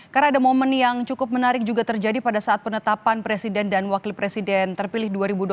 karena ada momen yang cukup menarik juga terjadi pada saat penetapan presiden dan wakil presiden terpilih dua ribu dua puluh empat